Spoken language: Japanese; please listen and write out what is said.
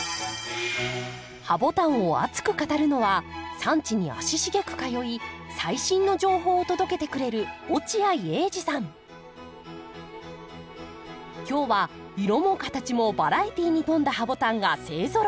ハボタンを熱く語るのは産地に足しげく通い最新の情報を届けてくれる今日は色も形もバラエティーに富んだハボタンが勢ぞろい。